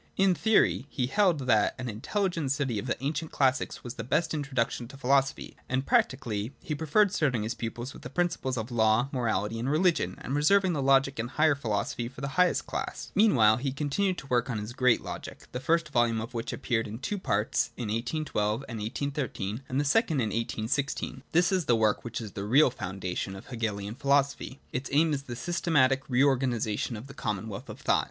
In theory, he held that an intelligent study of the ancient classics was the best introduction to philosophy ; and practically he preferred starting his pupils with the principles of law, morality and religion, and reserving the logic and higher philosophy for the highest class. Meanwhile he con ' Hegel's Brief e, i. 138. Ibid. i. 339. THE THREE PREFACES tinued to work on his great Logic, the first volume of which appeared in two parts, 1812, 1813, and the second in 1816. This is the work which is the real foundation of the • Hegelian philosophy. Its aim is the systematic re organisation of the commonwealth of thought.